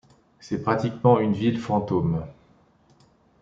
C’est pratiquement une ville fantôme.